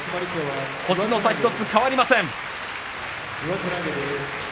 星の差１つ変わりません。